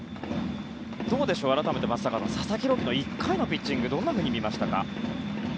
どうでしょう、改めて松坂さん佐々木朗希の１回のピッチングはどんなふうに見ましたか？